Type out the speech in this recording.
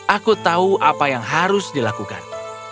aku tahu apa yang harus dilakukan